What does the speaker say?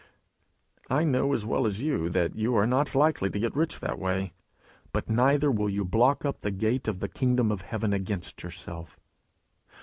I know as well as you that you are not likely to get rich that way; but neither will you block up the gate of the kingdom of heaven against yourself.